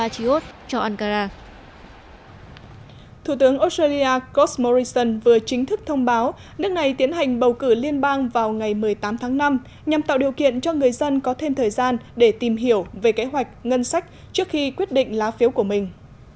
thủ tướng australia goss morrison vừa chính thức thông báo nước này tiến hành bầu cử liên bang vào ngày một mươi tám tháng năm nhằm tạo điều kiện cho người dân có thêm thời gian để tìm hiểu về kế hoạch ngân sách trước khi quyết định lá phiếu của mình